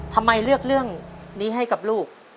ทำไมเลือกเรื่องนี้ให้กับลูก